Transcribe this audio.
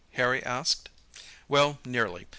Harry asked. "Well, nearly.